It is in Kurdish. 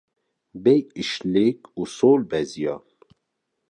bê îşlig û sol beziyam